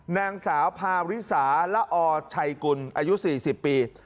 แน่งสาวพาริซาละออชัยกุลอายุสี่สิบปี